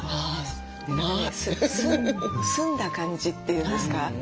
澄んだ感じっていうんですか。